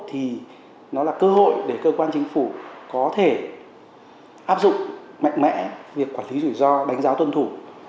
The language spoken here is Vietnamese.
thì nó là cơ hội để cơ quan chính phủ có thể áp dụng mạnh mẽ việc quản lý rủi ro đánh giá tuân thủ